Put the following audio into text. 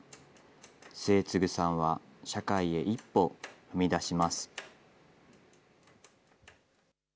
末次さんは社会へ一歩、踏み出します。